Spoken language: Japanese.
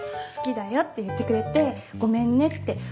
「好きだよ」って言ってくれて「ごめんね」って。